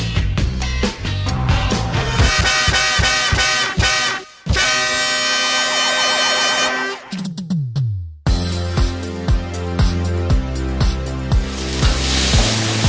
สวัสดีครับ